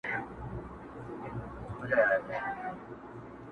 په کوم دلیل ورځې و میکدې ته قاسم یاره,